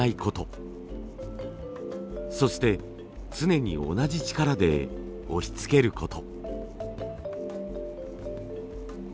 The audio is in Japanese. そして常に同じ力で押しつけること。